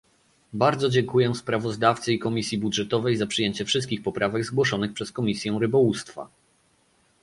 Bardzo dziękuję sprawozdawcy i Komisji Budżetowej za przyjęcie wszystkich poprawek zgłoszonych przez Komisję Rybołówstwa